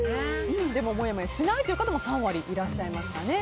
でももやもやしないという方も３割いらっしゃいましたね。